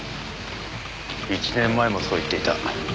１年前もそう言っていた。